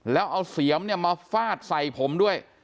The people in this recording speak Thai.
แล้วเอาเสียมเนี่ยมาฟาดใส่ผมด้วย